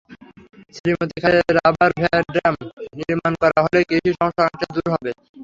শ্রীমতী খালে rubber dam নির্মাণ করা হলে কৃষির সমস্যা অনেকটা দূর হবে।